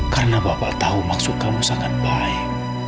karena bapak tahu maksud kamu sangat baik